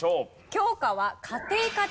教科は家庭科です。